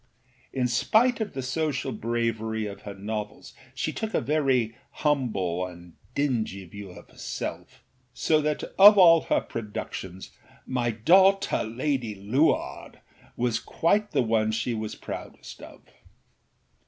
In spite of the social bravery of her novels she took a very humble and dingy view of herself, so that of all her productions âmy daughter Lady Luardâ was quite the one she was proudest of.